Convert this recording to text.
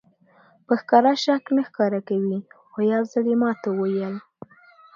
په ښکاره شک نه ښکاره کوي خو یو ځل یې ماته وویل.